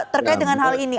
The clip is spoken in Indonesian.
terkait dengan hal ini